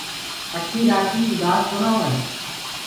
پکي رآتي اُدآس ڪونآ هوئينٚ۔